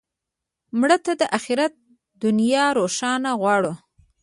مړه ته د آخرت دنیا روښانه غواړو